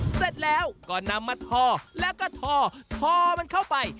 เสร็จแล้วก็นำมาทอแล้วก็ทอทอมันเข้าไป